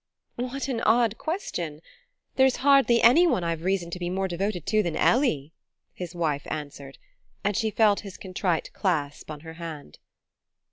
"What an odd question! There's hardly anyone I've reason to be more devoted to than Ellie," his wife answered; and she felt his contrite clasp on her hand.